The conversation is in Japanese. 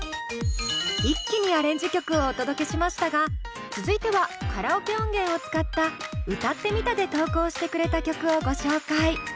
一気にアレンジ曲をお届けしましたが続いてはカラオケ音源を使った「歌ってみた」で投稿してくれた曲をご紹介。